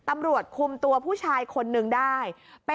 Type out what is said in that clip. ตำรวจคุมตัวผู้ชายคนนึงได้